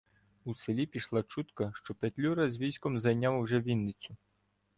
В селі пішла чутка, що Петлюра з військом зайняв уже Вінницю.